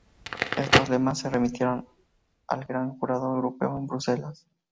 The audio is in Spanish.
Estos lemas se remitieron al Gran Jurado Europeo en Bruselas.